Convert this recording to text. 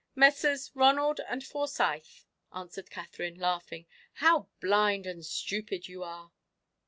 "Messrs. Ronald and Forsyth," answered Katherine, laughing. "How blind and stupid you are!"